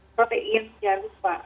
protein jangan lupa